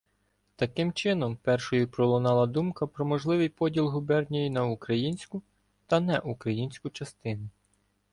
Таким чином, першою пролунала думка про можливий поділ губернії на «українську» та «неукраїнську» частини.